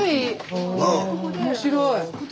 面白い。